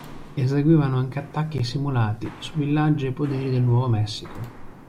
Eseguivano anche attacchi simulati su villaggi e poderi del Nuovo Messico.